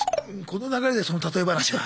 この流れでその例え話が。